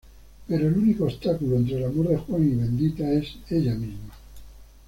Pero el único obstáculo entre el amor de Juan y Bendita es ella misma.